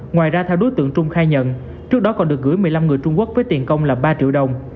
ngoài ra theo đối tượng trung khai nhận trước đó còn được gửi một mươi năm người trung quốc với tiền công là ba triệu đồng